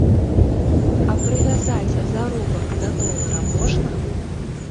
А прывязаць заробак да долара можна?